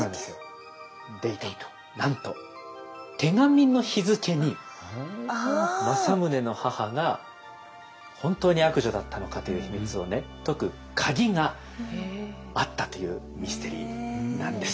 なんと手紙の日付に政宗の母が本当に悪女だったのかという秘密をね解く鍵があったというミステリーなんです。